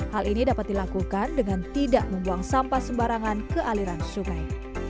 hal ini dapat dilakukan dengan tidak membuang sampah sembarangan ke aliran sungai